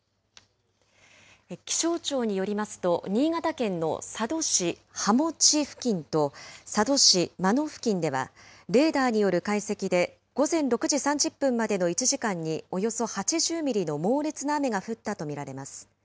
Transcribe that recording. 気象庁によりますと、新潟県の佐渡市羽茂付近と佐渡市真野付近では、レーダーによる解析で、午前６時３０分までの１時間におよそ８０ミリの猛烈な雨が降ったと見られます。